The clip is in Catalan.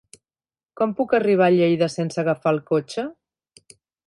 Com puc arribar a Lleida sense agafar el cotxe?